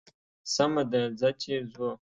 سمه ده ځه چې ځو.